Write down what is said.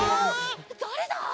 だれだ！？